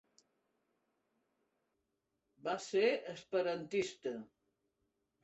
Va ser esperantista.